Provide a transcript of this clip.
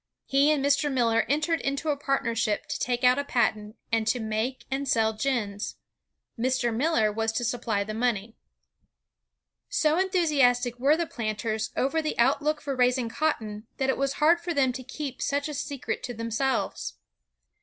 He and Mr. Miller entered into a partnership to take out a patent, and to make and sell gins. Mr. Miller was to supply the money. So enthusiastic were the planters over the outlook for raising cotton, that it was hard for them to keep such a secret to themselves.